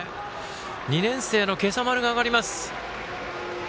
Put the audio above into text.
２年生の今朝丸が上がります。